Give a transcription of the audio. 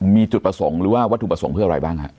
มีจุดประสงค์หรือว่าวัตถุประสงค์เพื่ออะไรบ้างฮะ